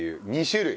２種類？